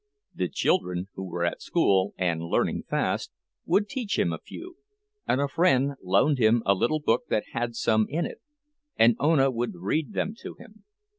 The children, who were at school, and learning fast, would teach him a few; and a friend loaned him a little book that had some in it, and Ona would read them to him.